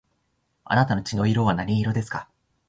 あなたの血の色は何色ですか